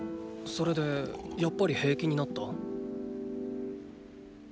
それでやっぱり平気になった？